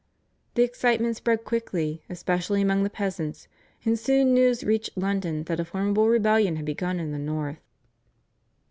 The excitement spread quickly, especially amongst the peasants, and soon news reached London that a formidable rebellion had begun in the north.